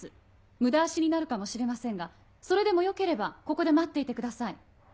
無駄足になるかもしれませんがそれでもよければここで待っていてください。